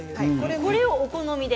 これを、お好みで。